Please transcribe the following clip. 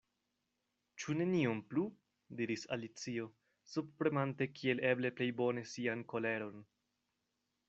"Ĉu nenion plu?" diris Alicio, subpremante kiel eble plej bone sian koleron.